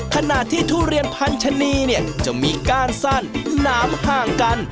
ขณะที่ทุเรียนพันธนีเนี่ยจะมีก้านสั้นหนามห่างกัน